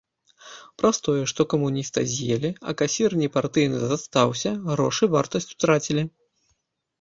А праз тое, што камуніста з'елі, а касір непартыйны застаўся, грошы вартасць утрацілі.